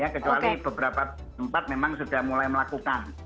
kecuali beberapa tempat memang sudah mulai melakukan